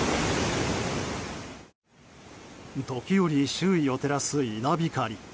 時折、周囲を照らす稲光。